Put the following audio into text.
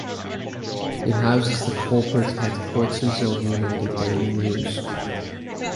It houses the corporate headquarters of United Daily News.